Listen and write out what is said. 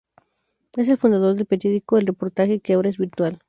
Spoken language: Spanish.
Es el fundador del periódico El Reportaje, que ahora es virtual.